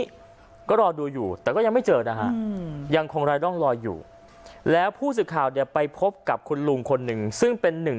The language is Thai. มีบาร์สงสารนะก็รอดูอยู่แต่ก็ยังไม่เจอน่าฮะยังคงร้ายร่องรอยอยู่แล้วผู้สิบข่าวเดี๋ยวไปพบกับคุณลุงค์คนหนึ่งซึ่งเป็นหนึ่ง